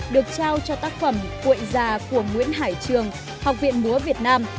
được trao cho tác phẩm cuội già của nguyễn hải trường học viện múa việt nam